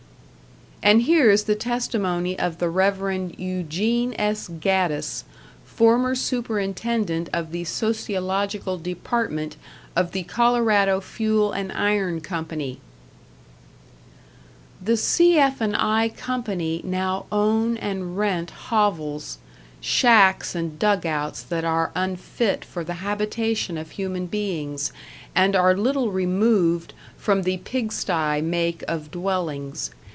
And here is the testimony of the Rev. Eugene S. Gaddis, former superintendent of the Sociological Department of the Colorado Fuel and Iron Company: The C.F. & I. Company now own and rent hovels, shacks and dug outs that are unfit for the habitation of human beings and are little removed from the pig sty make of dwellings.